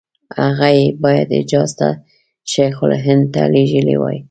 هغه یې باید حجاز ته شیخ الهند ته لېږلي وای.